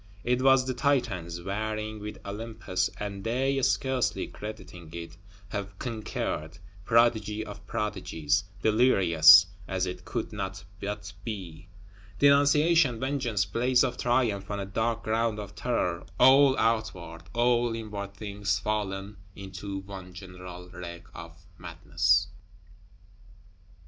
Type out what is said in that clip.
It was the Titans warring with Olympus; and they, scarcely crediting it, have conquered; prodigy of prodigies; delirious, as it could not but be. Denunciation, vengeance; blaze of triumph on a dark ground of terror; all outward, all inward things fallen into one general wreck of madness!